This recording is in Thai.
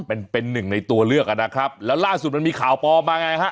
เป็นเป็นหนึ่งในตัวเลือกอ่ะนะครับแล้วล่าสุดมันมีข่าวปลอมมาไงฮะ